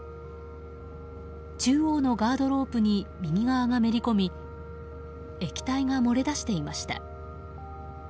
中央のガードロープに右側がめり込み液体が漏れ出していました。